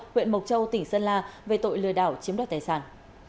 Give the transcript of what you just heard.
huyện mộc châu tỉnh sơn la về tội lừa đảo chiếm đoạt tài sản